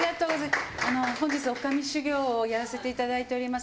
本日女将修業をやらせていただいております